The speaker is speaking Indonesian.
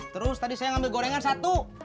terus tadi saya ngambil gorengan satu